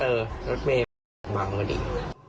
เออรถเมียมันก้มมองมาดี